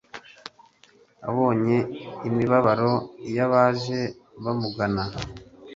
Abonye imibabaro y'abaje bamugana,